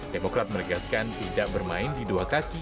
demokrat menegaskan tidak bermain di dua kaki